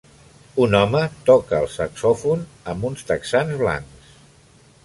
Un home toca el saxòfon amb uns texans blancs